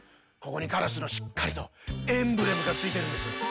ここにカラスのしっかりとエンブレムがついているんです。